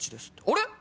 あれ？